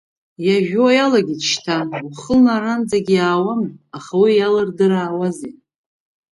Иажәуа иалагеит шьҭа, уахынла аранӡагьы иаауам, аха уи иалырдыраауазеи…